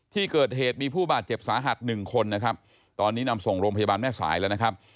ที่เกิดเหตุมีผู้บาดเจ็บสาหัสหนึ่งคนนะครับตอนนี้นำส่งโรงพยาบาลแม่สายแล้วนะครับ